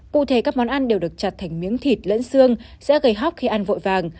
cụ thể các món ăn đều được chặt thành miếng thịt lẫn xương sẽ gây hóc khi ăn vội vàng